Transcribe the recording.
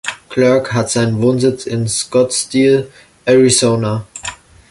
Clark hat seinen Wohnsitz in Scottsdale, Arizona.